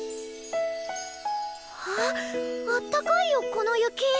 あっあったかいよこの雪。